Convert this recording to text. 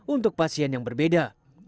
untuk pasien yang berbeda